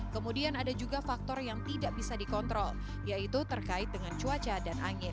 kemudian ada juga faktor yang tidak bisa dikontrol yaitu terkait dengan cuaca dan angin